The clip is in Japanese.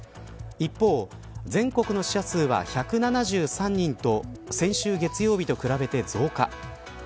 一方、全国の死者数は１７３人と先週月曜日と比べて増加。